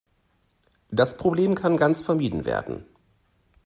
Das Problem kann ganz vermieden werden.